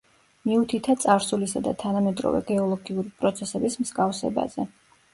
მიუთითა წარსულისა და თანამედროვე გეოლოგიური პროცესების მსგავსებაზე.